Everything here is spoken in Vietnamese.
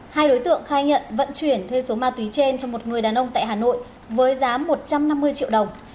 hai đối tượng khai nhận vận chuyển thuê số ma túy trên cho một người đàn ông tại hà nội với giá một trăm năm mươi triệu đồng